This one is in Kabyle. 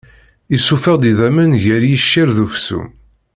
Issufeɣ-d idammen gar yiccer d uksum.